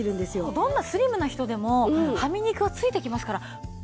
どんなスリムな人でもはみ肉はついてきますから。